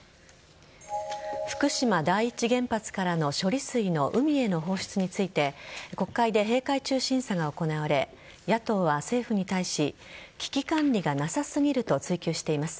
福島第一原発からの処理水の海への放出について国会で閉会中審査が行われ野党は政府に対し危機管理がなさすぎると追及しています。